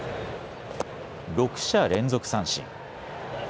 ６者連続三振。